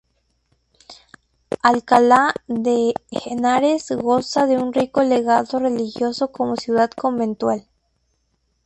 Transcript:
Alcalá de Henares goza de un rico legado religioso como ciudad conventual.